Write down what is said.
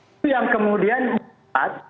itu yang kemudian membuat